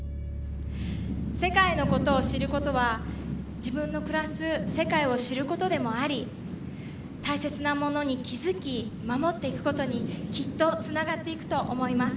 世界のことを知ることは自分の暮らす世界を知ることでもあり大切なものに気付き守っていくことにきっとつながっていくと思います。